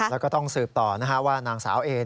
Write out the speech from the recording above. แล้วก็ต้องสืบต่อว่านางสาวเอ